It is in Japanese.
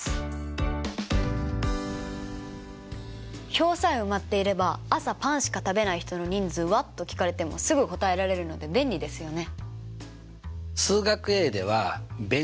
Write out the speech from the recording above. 表さえ埋まっていれば「朝パンしか食べない人の人数は？」と聞かれてもすぐ答えられるので便利ですよね。